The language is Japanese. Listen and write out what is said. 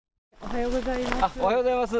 おはようございます。